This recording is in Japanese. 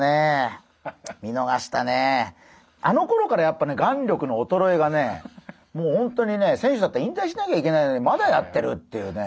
あのころからやっぱね眼力のおとろえがねもうホントにね選手だったら引退しなきゃいけないのにまだやってるっていうね。